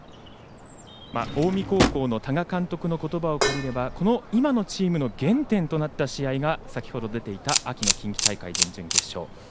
近江高校の多賀監督のことばを借りればこの今のチームの原点となった試合が先ほど出ていた秋の近畿大会、準々決勝。